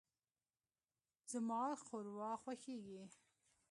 زما ښوروا خوښیږي.